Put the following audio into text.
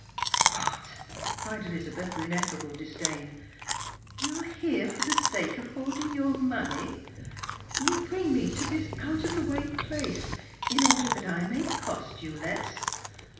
" What !" cried Elizabeth, with inefiable disdain. " You are here for the sake of hoarding your money ! You bring me to this oiit of the way place in order that I may cost you less